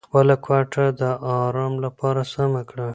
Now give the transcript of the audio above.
خپله کوټه د ارام لپاره سمه کړه.